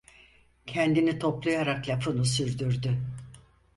Kendini toplayarak lafını sürdürdü: